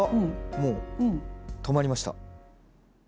もう止まりました。